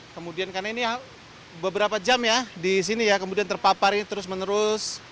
kemudian karena ini beberapa jam ya di sini ya kemudian terpapar ini terus menerus